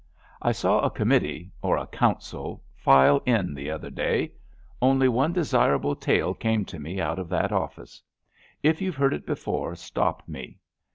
I saw a committee or a council file in the other day. Only one desirable tale came to me out of that office. If you've heard it before stop me.